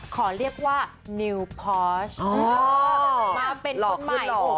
ขอเรียกว่านิวพอสมาเป็นคนใหม่